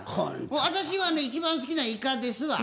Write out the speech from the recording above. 私はね一番好きなんイカですわ。